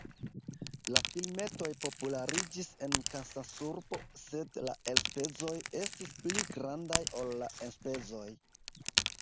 La filmetoj populariĝis en Kansasurbo sed la elspezoj estis pli grandaj ol la enspezoj.